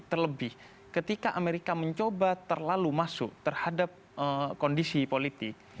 terlebih ketika amerika mencoba terlalu masuk terhadap kondisi politik